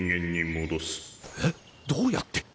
えっどうやって！？